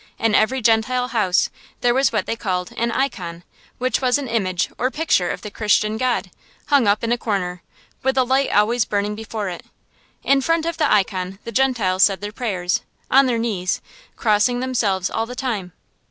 In every Gentile house there was what they called an "icon," which was an image or picture of the Christian god, hung up in a corner, with a light always burning before it. In front of the icon the Gentiles said their prayers, on their knees, crossing themselves all the time.